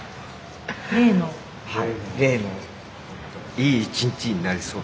はい。